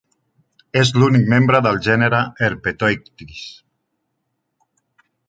És l"únic membre del gènere Erpetoichthys.